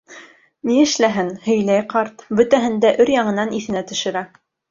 Ни эшләһен, һөйләй ҡарт, бөтәһен дә өр-яңынан иҫенә төшөрә.